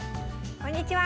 こんにちは！